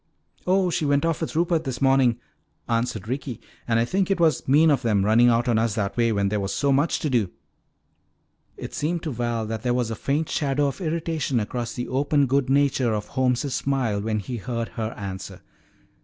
"Oh, she went off with Rupert this morning," answered Ricky. "And I think it was mean of them, running out on us that way, when there was so much to do." It seemed to Val that there was a faint shadow of irritation across the open good nature of Holmes' smile when he heard her answer.